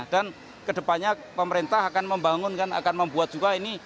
dan ke depannya pemerintah akan membangunkan akan membuat juga ini